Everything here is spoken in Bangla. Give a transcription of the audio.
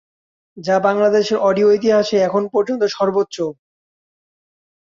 যা বাংলাদেশের অডিও ইতিহাসে এখন পর্যন্ত সর্বোচ্চ।